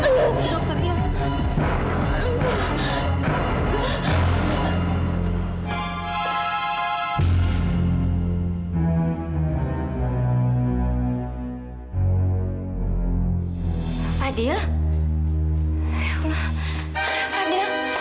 ya allah fadil kamu kenapa sayang